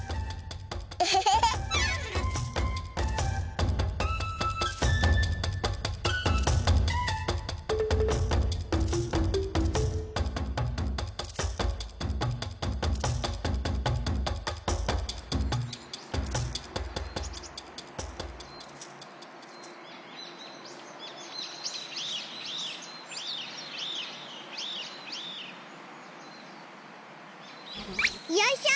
エヘヘヘ。よいしょ！